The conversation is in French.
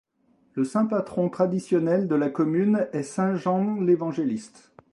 Le saint patron traditionnel de la commune est saint Jean l'Évangéliste.